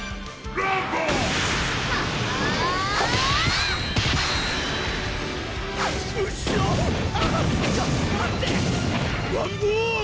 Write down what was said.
ランボグ！